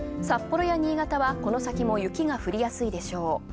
札幌や新潟もこの先も雪が降りやすいでしょう。